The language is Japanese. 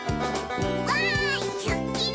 「わーいすーっきり」